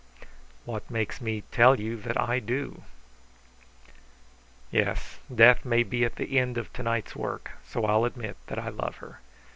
"What makes me tell you that I do?" "Yes, death may be at the end of to night's work; so I'll admit that I love her.